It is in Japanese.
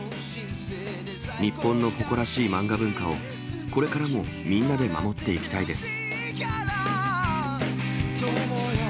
日本の誇らしい漫画文化を、これからもみんなで守っていきたいです。